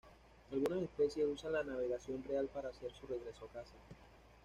Algunas especies usan la navegación real para hacer su regreso a casa.